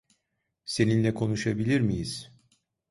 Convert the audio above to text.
Seninle konuşabilir miyiz?